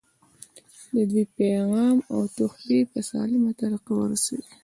دوی پیغام او تحفې په سالمه طریقه ورسوي.